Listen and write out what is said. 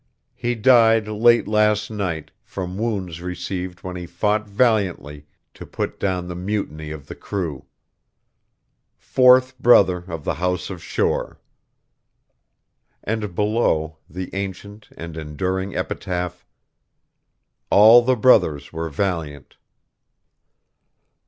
He died late last night, from wounds received when he fought valiantly to put down the mutiny of the crew. Fourth brother of the House of Shore...." And below, the ancient and enduring epitaph: "'All the brothers were valiant.'"